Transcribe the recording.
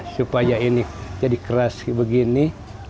supaya ini jadi keras begini